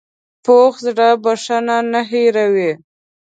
پوخ زړه بښنه نه هېروي